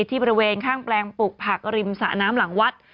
ที่บริเวณข้างแปลงปลูกผักริมสระน้ำหลังวัด